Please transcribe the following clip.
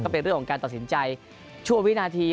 เป็นเรื่องของการตัดสินใจชั่ววินาที